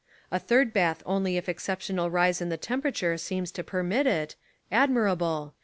A third bath only if an exceptional rise in the temperature seems to permit it: Admirable.